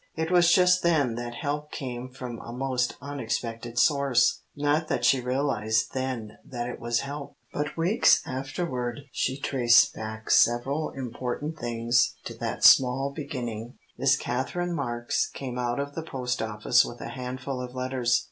It was just then that help came from a most unexpected source. Not that she realized then that it was help, but weeks afterward she traced back several important things to that small beginning. Miss Katherine Marks came out of the post office with a handful of letters.